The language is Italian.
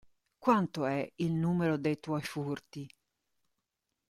Quanto è il numero de' tuoi furti!